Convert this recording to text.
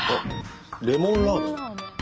レモンラーメン？